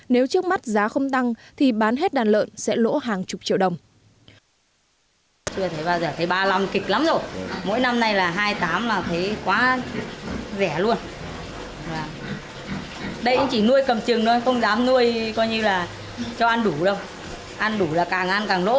nếu trước mắt giá không tăng thì bán hết đàn lợn sẽ lỗ hàng chục triệu đồng